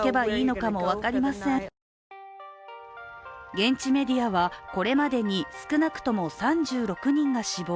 現地メディアは、これまでに少なくとも３６人が死亡。